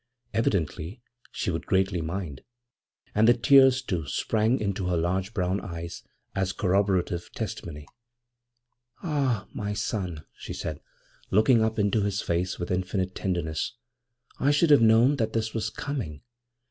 Evidently she would greatly mind; and the tears, too, sprang into her large brown eyes as corroborative testimony. 'Ah, my son,' she said, looking up into his face with infinite tenderness,' I should have known that this was coming.